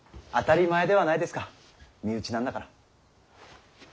当たり前ではないですか身内なんだから。